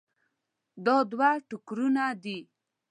دا دوه ټوکرونه دي.